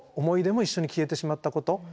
思い出も一緒に消えてしまったこと。